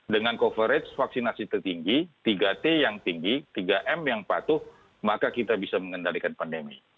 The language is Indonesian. dengan coverage vaksinasi tertinggi tiga t yang tinggi tiga m yang patuh maka kita bisa mengendalikan pandemi